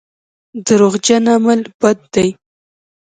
دروغجن عمل بد دی.